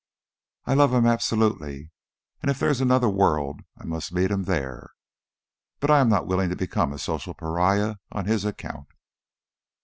I love him absolutely, and if there is another world I must meet him there. But I am not willing to become a social pariah on his account."